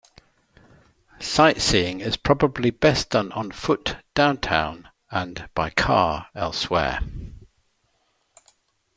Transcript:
Sightseeing is probably best done on foot downtown and by car elsewhere.